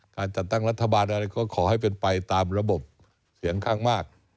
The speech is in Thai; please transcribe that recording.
จัดตั้งรัฐบาลอะไรก็ขอให้เป็นไปตามระบบเสียงข้างมาก